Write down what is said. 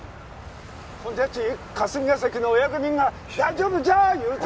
ほんじゃち霞が関のお役人が大丈夫じゃー言うて